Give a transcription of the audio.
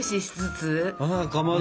あかまど。